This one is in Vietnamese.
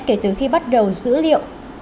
kể từ khi bắt đầu dữ liệu